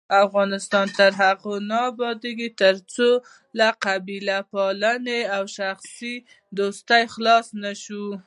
افغانستان تر هغو نه ابادیږي، ترڅو له قبیلې پالنې او شخصي دوستۍ خلاص نشو.